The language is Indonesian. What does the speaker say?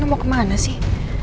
ini mau kemana sih